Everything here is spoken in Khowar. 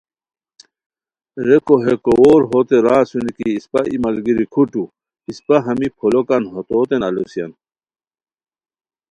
ریکو ہے کوؤر ہوتے را اسونی کی اسپہ ای ملگیری کھوٹو، اسپہ ہمی پھولوکان ہتوتین الوسیان